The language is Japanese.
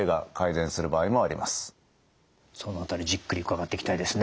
その辺りじっくり伺っていきたいですね。